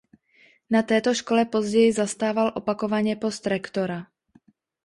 Na této škole později zastával opakovaně post rektora.